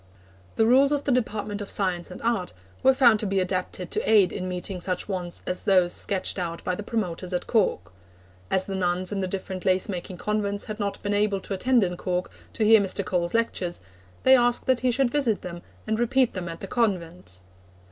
The rules of the Department of Science and Art were found to be adapted to aid in meeting such wants as those sketched out by the promoters at Cork. As the nuns in the different lace making convents had not been able to attend in Cork to hear Mr. Cole's lectures, they asked that he should visit them and repeat them at the convents.